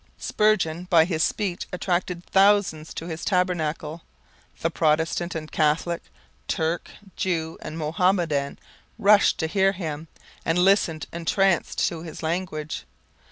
Spurgeon by his speech attracted thousands to his Tabernacle. The Protestant and Catholic, Turk, Jew and Mohammedan rushed to hear him and listened, entranced, to his language.